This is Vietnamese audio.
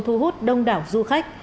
thu hút đông đảo du khách